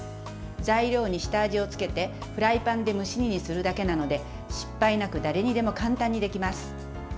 材料に下味をつけてフライパンで蒸し煮にするだけなので失敗なく誰にでも簡単にできます。